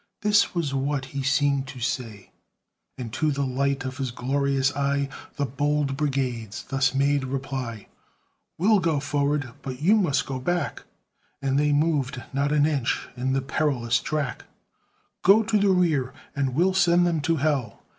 This was what he seemed to say; And to the light of his glorious eye The bold brigades thus made reply: "We'll go forward, but you must go back" And they moved not an inch in the perilous track: "Go to the rear, and we'll send them to hell!"